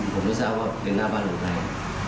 ผมรู้สึกว่าเป็นหน้าบ้านหลวงใคร